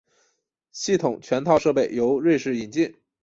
系统全套设备由瑞士引进。